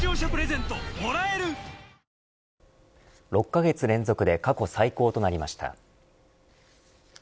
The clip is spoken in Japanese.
６カ月連続で過去最高となりました。